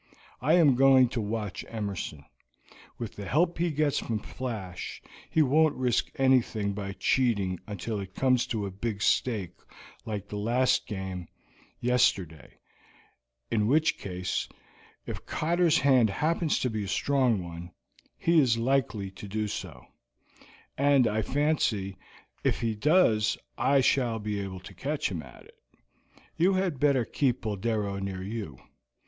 I am going to watch Emerson. With the help he gets from Flash, he won't risk anything by cheating until it comes to a big stake like the last game yesterday, in which case, if Cotter's hand happens to be a strong one, he is likely to do so, and I fancy if he does I shall be able to catch him at it. You had better keep Boldero near you.